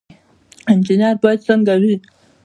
انجنیر باید څنګه وي؟